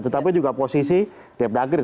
tetapi juga posisi medagri